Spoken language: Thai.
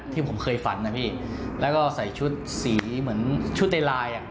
ที่ผมเคยฝันนะพี่แล้วก็ใส่ชุดสีเหมือนชุดในลายอ่ะ